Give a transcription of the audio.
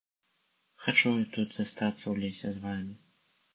Хачу я тут застацца ў лесе з вамі.